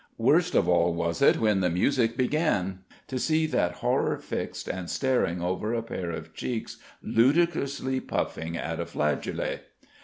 Worst of all was it when the music began, to see that horror fixed and staring over a pair of cheeks ludicrously puffing at a flageolet.